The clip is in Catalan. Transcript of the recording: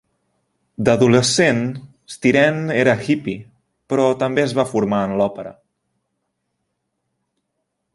D'adolescent, Styrene era hippie, però també es va formar en l'òpera.